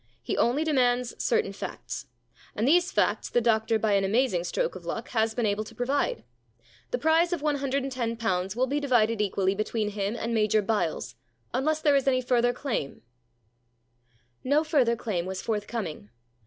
He only demands certain facts. And these facts the doctor by an amazing stroke of luck has been able to provide. The prize of one 63 The Problem Club hundred and ten pounds will be divided equally between him and Major Byles, unless there is any further claim/ No further claim was forthcoming.